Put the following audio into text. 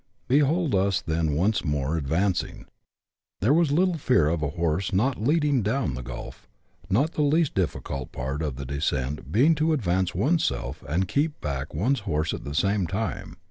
Behold us then once more advancing. There was little fear of a horse " not leading " down the Gulf, not the least difficult part of the descent being to advance oneself and keep back one's horse at the same time.